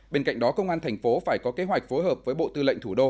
bên cạnh đó công an tp hcm phải có kế hoạch phối hợp với bộ tư lệnh thủ đô